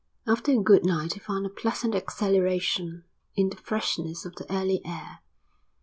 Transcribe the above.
After a good night he found a pleasant exhilaration in the freshness of the early air.